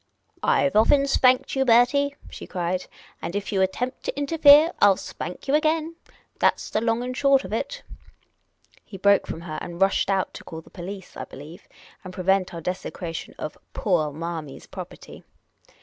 " I 've often spanked you, Bertie," she cried, " and if you attempt to interfere, I '11 spank you again ; that' s the long and the short of it !" He broke from her and rushed out, to call the police, I believe, and prevent our desecration of pooah Marmy's property.